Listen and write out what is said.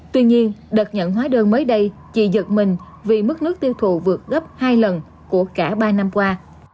tuy nhiên đợt nhận hóa đơn mới đây chị giật mình vì mức nước tiêu thụ vượt gấp hai lần của cả ba năm qua